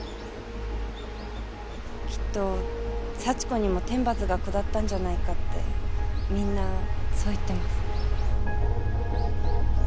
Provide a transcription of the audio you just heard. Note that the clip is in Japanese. きっと幸子にも天罰が下ったんじゃないかってみんなそう言ってます。